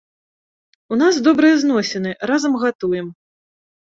У нас добрыя зносіны, разам гатуем.